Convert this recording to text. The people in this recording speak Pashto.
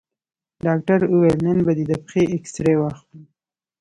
ډاکتر وويل نن به دې د پښې اكسرې واخلو.